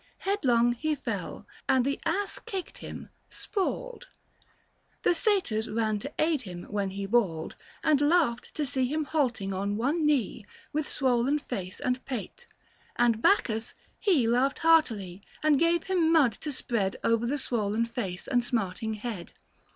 Headlong he fell and the ass kicked him, sprawled ; The Satyrs ran to aid him when he bawled And laughed to see him halting on one knee 810 With swollen face and pate : and Bacchus, he Laughed heartily, and gave him mud to spread Over the swollen face and smarting head.